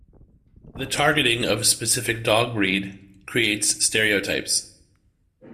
The targeting of specific dog breed creates stereotypes.